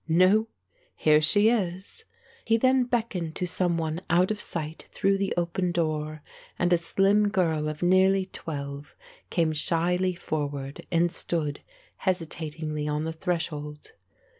No, here she is." He then beckoned to some one out of sight through the open door; and a slim girl of nearly twelve came shyly forward and stood hesitatingly on the threshold.